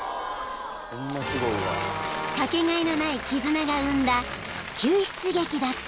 ［かけがえのない絆が生んだ救出劇だった］